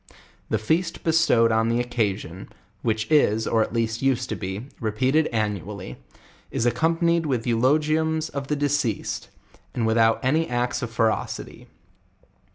The feast bestowed on the occasion, which is, or at least used to be, repeated annually, is accompanied with eulogiumson the deceased, and without any ^icts of fe rocity.